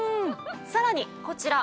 さらにこちら。